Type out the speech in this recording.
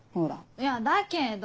いやだけど。